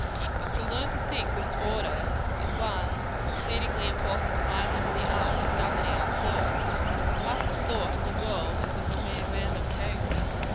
But to learn to think with order, is one exceedingly important item in the art of governing our thoughts. Half the thought in the world is of a mere random character.